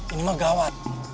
ini mah gawat